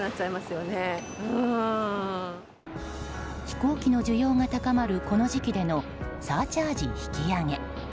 飛行機の需要が高まるこの時期でのサーチャージ引き上げ。